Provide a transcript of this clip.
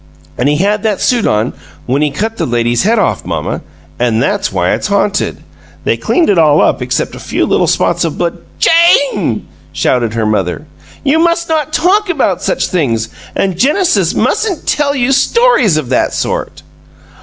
"An' he had that suit on when he cut the lady's head off, mamma, an' that's why it's haunted. They cleaned it all up excep' a few little spots of bl " "JANE!" shouted her mother. "You must not talk about such things, and Genesis mustn't tell, you stories of that sort!"